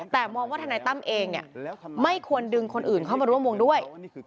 แต่มองว่าทนายตั้มเองไม่ควรดึงคนอื่นเข้ามาร่วมวงด้วย